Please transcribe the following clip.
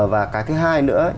và cái thứ hai nữa